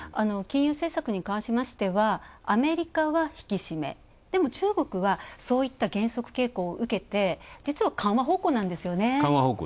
金融政策に関しましては、アメリカは引き締め、でも、中国はそういった減速傾向を受けて実は緩和方向なんですよね。